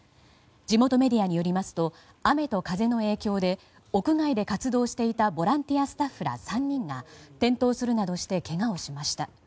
地元メディアによりますと雨の風の影響で屋外で活動していたボランティアスタッフら３人が転倒するなどしてけがをしました。